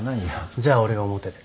じゃあ俺が表で。